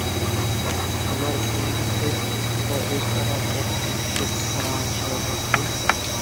ئۇلار تۈنۈگۈن كەچ تېلېفوندا ئۆزئارا دەرد تۆكۈشۈپ پاراڭلىشىۋاتاتتى.